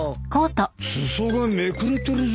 裾がめくれてるぞ。